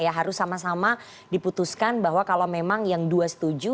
harus sama sama diputuskan bahwa kalau memang yang dua setuju